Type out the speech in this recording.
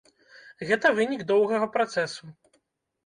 Гэта вынік доўгага працэсу.